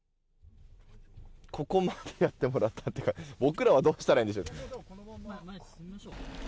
ここまでやってもらって僕らはどうしたらいいんでしょう。